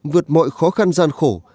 vượt mọi khó khăn gian khổ